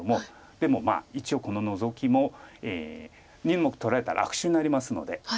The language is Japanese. でも一応このノゾキも２目取られたら悪手になりますので。